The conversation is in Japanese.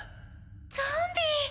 ゾンビ！